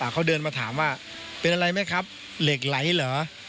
เขาเดินมาถามว่าเป็นอะไรไหมครับเหล็กไหลเหรอ